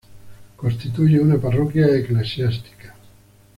Constituye una Parroquia Eclesiástica.